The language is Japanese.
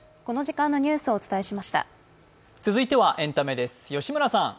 続いてはエンタメです。